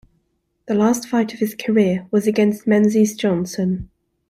The last fight of his career was against Menzies Johnson.